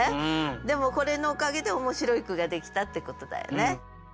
でもこれのおかげで面白い句ができたってことだよね。